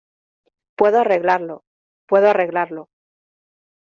puedo arreglarlo. puedo arreglarlo .